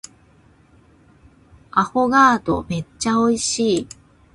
アフォガードめっちゃ美味しい